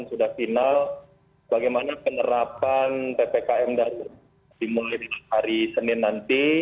sudah final bagaimana penerapan ppkm darurat dimulai dari hari senin nanti